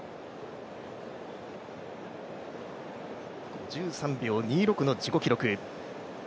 ５３秒２６の自己記録。